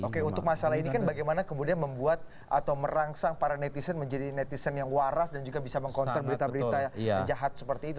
oke untuk masalah ini kan bagaimana kemudian membuat atau merangsang para netizen menjadi netizen yang waras dan juga bisa meng counter berita berita yang jahat seperti itu